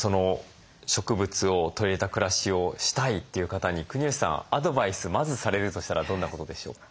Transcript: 植物を取り入れた暮らしをしたいという方に国吉さんアドバイスまずされるとしたらどんなことでしょうか？